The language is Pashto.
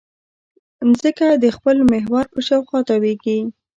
ځمکه د خپل محور په شاوخوا تاوېږي.